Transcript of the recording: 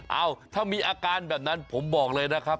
เอ้าถ้ามีอาการแบบนั้นผมบอกเลยนะครับ